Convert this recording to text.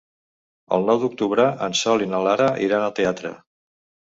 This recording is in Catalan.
El nou d'octubre en Sol i na Lara iran al teatre.